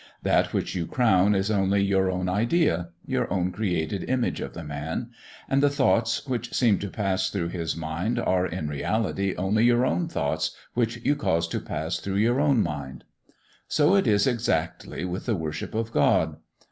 That which you crown is only your own idea your own created image of the man; and the thoughts which seem to pass through his mind are, in reality, only your own thoughts which you cause to pass through your own mind. So it is exactly with the worship of God.